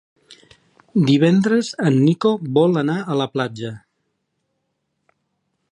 Divendres en Nico vol anar a la platja.